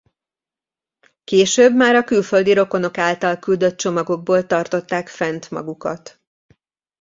Később már a külföldi rokonok által küldött csomagokból tartották fent magukat.